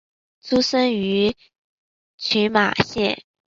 出身于群马县。